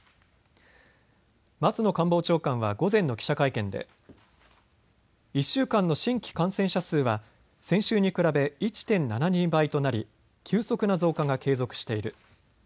松野官房長官は午前の記者会見で１週間の新規感染者数は先週に比べ１．７２倍となり急速な増加が継続している。